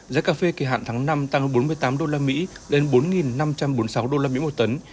giá cà phê kỳ hạn tháng năm tăng bốn mươi tám usd lên bốn năm trăm bốn mươi sáu usd một tấn